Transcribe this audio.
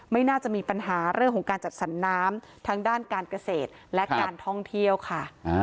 ไม่น่าจะมีปัญหาเรื่องของการจัดสรรน้ำทั้งด้านการเกษตรและการท่องเที่ยวค่ะ